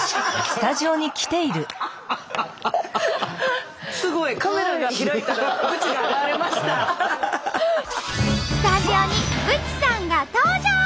スタジオにブチさんが登場！